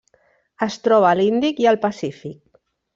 Es troba a l'Índic i el Pacífic.